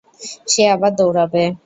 সে আবার দৌড়াবে।